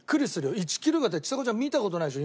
１キロちさ子ちゃん見た事ないでしょ？